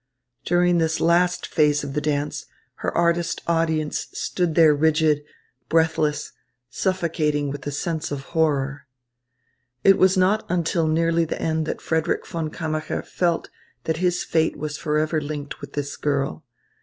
During this last phase of the dance, her artist audience stood there rigid, breathless, suffocating with a sense of horror. It was not until nearly the end that Frederick von Kammacher felt that his fate was forever linked with this girl.